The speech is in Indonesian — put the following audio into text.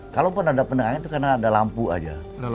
kalaupun ada penengahnya itu karena ada lampu aja